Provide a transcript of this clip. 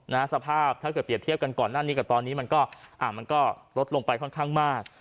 สภาพถ้าเกิดเปรียบเทียบกันก่อนหน้านี้กับตอนนี้มันก็อ่ามันก็มันก็ลดลงไปค่อนข้างมาก